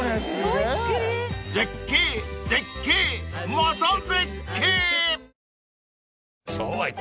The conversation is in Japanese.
［絶景絶景また絶景！］